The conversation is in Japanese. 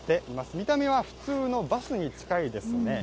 見た目は普通のバスに近いですね。